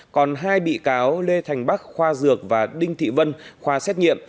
còn hai bị cáo lê thành bắc khoa dược và đinh thị vân khoa xét nghiệm